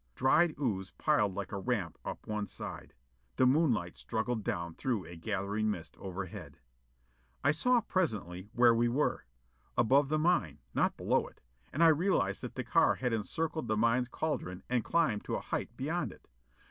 Dried ooze piled like a ramp up one side. The moonlight struggled down through a gathering mist overhead. I saw, presently, where we were. Above the mine, not below it: and I realized that the car had encircled the mine's cauldron and climbed to a height beyond it.